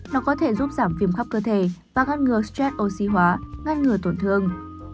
nó có thể giúp giảm viêm khắp cơ thể và ngăn ngừa stress oxy hóa ngăn ngừa tổn thương